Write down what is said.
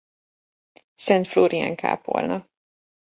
Szent Flórián-kápolna.